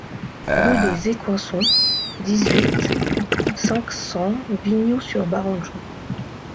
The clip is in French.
Rue des Écoinçons, dix-huit, cinq cents Vignoux-sur-Barangeon